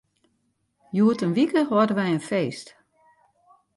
Hjoed in wike hâlde wy in feest.